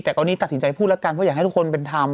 แต่ตอนนี้ตัดสินใจพูดแล้วกันเพราะอยากให้ทุกคนเป็นธรรม